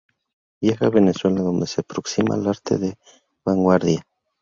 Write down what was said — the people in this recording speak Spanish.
Viaja a Venezuela, donde se aproxima al arte de vanguardia.